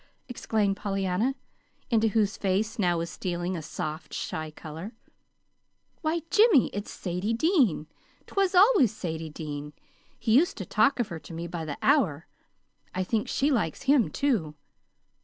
exclaimed Pollyanna, into whose face now was stealing a soft, shy color. "Why, Jimmy, it's Sadie Dean. 'Twas always Sadie Dean. He used to talk of her to me by the hour. I think she likes him, too."